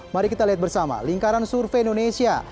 mari kita lihat bersama lingkaran survei indonesia